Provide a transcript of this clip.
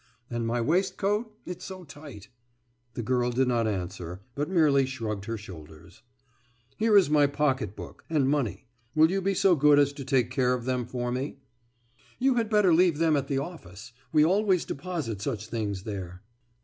« »And my waistcoat? It's so tight.« The girl did not answer, but merely shrugged her shoulders. »Here is my pocket book ... and money. Will you be so good as to take care of them for me?« »You had better leave them at the office. We always deposit such things there.